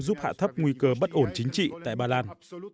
giúp hạ thấp nguy cơ bất ổn chính trị tại ba lan